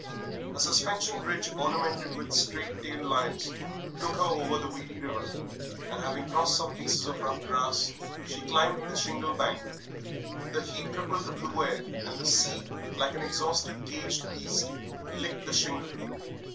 A suspension bridge, ornamented with straight tailed lions, took her over the weedy river, and having crossed some pieces of rough grass, she climbed the shingle bank. The heat rippled the blue air, and the sea, like an exhausted caged beast, licked the shingle.